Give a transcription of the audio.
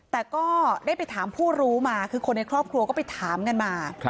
แต่ก็ได้ไปถามผู้รู้มาคือคนในครอบครัวก็ไปถามกันมา